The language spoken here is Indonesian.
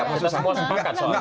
kita semua sepakat soal itu